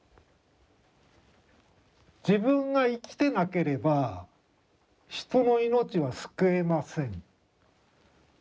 自分が生きてなければ人の命は救えません。